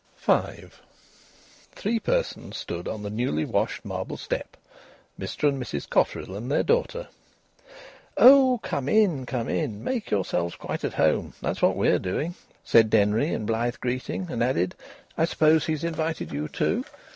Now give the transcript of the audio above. V Three persons stood on the newly washed marble step Mr and Mrs Cotterill and their daughter. "Oh! Come in! Come in! Make yourselves quite at home. That's what we're doing," said Denry in blithe greeting; and added, "I suppose he's invited you too?"